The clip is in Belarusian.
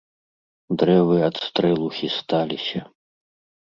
Дрэвы ад стрэлу хісталіся.